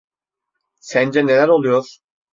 Sence neler oluyor?